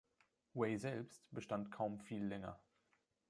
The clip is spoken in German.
Wei selbst bestand kaum viel länger.